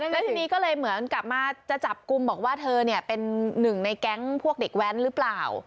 แล้วทีนี้ก็เลยเหมือนกลับมาจะจับกลุ่มบอกว่าเธอเนี่ยเป็นหนึ่งในแก๊งพวกเด็กแว้นหรือเปล่า